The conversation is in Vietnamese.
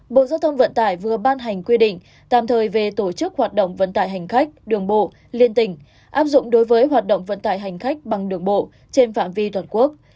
bộ giao thông vận tải vừa ban hành quy định tạm thời về tổ chức hoạt động vận tải hành khách đường bộ liên tỉnh áp dụng đối với hoạt động vận tải hành khách bằng đường bộ trên phạm vi toàn quốc